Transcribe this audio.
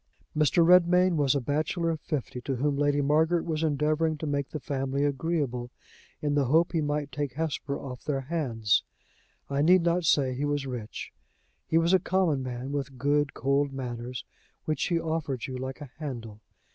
Mr. Redmain was a bachelor of fifty, to whom Lady Margaret was endeavoring to make the family agreeable, in the hope he might take Hesper off their hands. I need not say he was rich. He was a common man, with good cold manners, which he offered you like a handle.